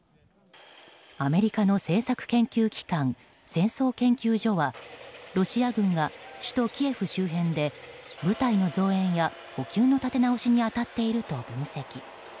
アメリカの政策研究機関戦争研究所はロシア軍が首都キエフ周辺で部隊の増援や補給の立て直しに当たっていると分析。